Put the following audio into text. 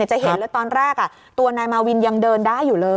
จะเห็นเลยตอนแรกตัวนายมาวินยังเดินได้อยู่เลย